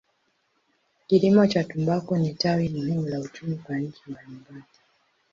Kilimo cha tumbaku ni tawi muhimu la uchumi kwa nchi mbalimbali.